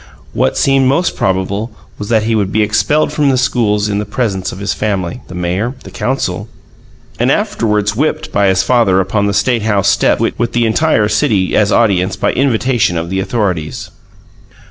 What seemed most probable was that he would be expelled from the schools in the presence of his family, the mayor, and council, and afterward whipped by his father upon the State House steps, with the entire city as audience by invitation of the authorities.